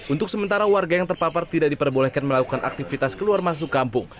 untuk sementara warga yang terpapar tidak diperbolehkan melakukan aktivitas keluar masuk kampung